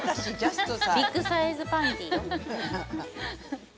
ビッグサイズパンティー。